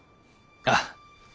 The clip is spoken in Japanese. ああ。